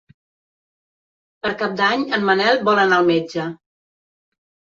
Per Cap d'Any en Manel vol anar al metge.